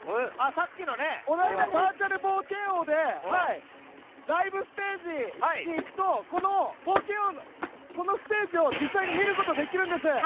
お台場バーチャル冒険王でライブステージに行くとこのステージを実際に見ることができるんです。